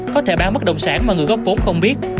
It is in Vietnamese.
có thể bán bất động sản mà người góp vốn không biết